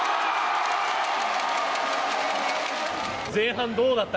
前半どうだった？